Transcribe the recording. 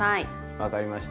分かりました。